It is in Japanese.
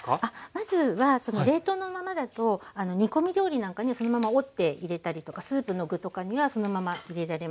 まずは冷凍のままだと煮込み料理なんかにはそのまま折って入れたりとかスープの具とかにはそのまま入れられます。